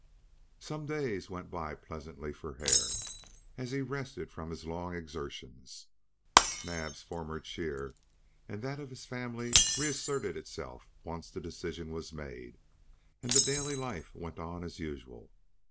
Some days went by pleasantly for Hare, as he rested from his long exertions. Naab's former cheer and that of his family reasserted itself once the decision was made, and the daily life went on as usual.